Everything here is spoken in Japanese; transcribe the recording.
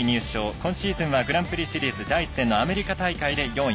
今シーズンはグランプリシリーズ第１戦のアメリカ大会で４位。